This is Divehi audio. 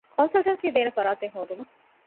ކޮންސަލްޓެންސީ ދޭނެ ފަރާތެއް ހޯދުމަށް